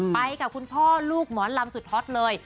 ไปกับคุณพ่อลูกหมอลำสุดฮอตเลย